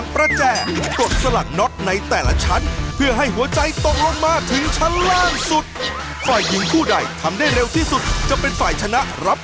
ประจัดการในศึกษ์ที่๒แล้วละครับ